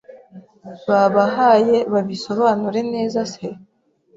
babahaye babisobanure neza se,